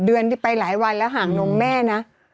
๘เดือนไปหลายวันแล้วหางโน้งแม่นะ